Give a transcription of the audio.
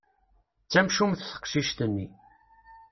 D tamcumt teqcict-nni.